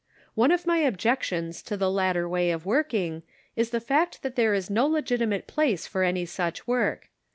One of my objections to the latter way of work ing is the fact that there is no legitimate place for any such work.